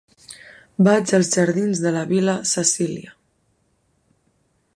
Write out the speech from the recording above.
Vaig als jardins de la Vil·la Cecília.